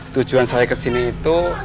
tujuan saya kesini itu